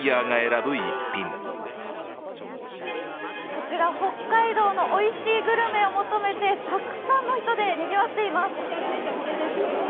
こちら北海道のおいしいグルメを求めてたくさんの人でにぎわっています。